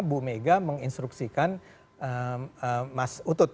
bu mega menginstruksikan mas utut